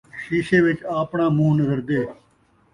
شیشے وِچ آپݨاں مون٘ہہ نظردے